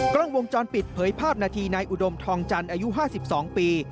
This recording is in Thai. กล้องวงจรปิดเผยภาพนาทีนายอุดมทองจันทร์อายุ๕๒ปี